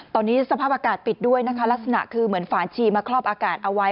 ตอนนี้สภาพอากาศปิดด้วยนะคะลักษณะคือเหมือนฝาชีมาครอบอากาศเอาไว้